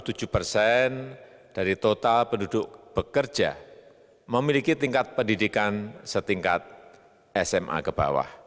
dan tiga puluh sembilan persen dari total penduduk bekerja memiliki tingkat pendidikan setingkat sma ke bawah